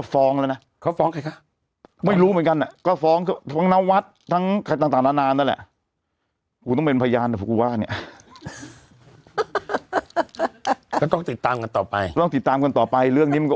โปรดติดตามตอนต่อไป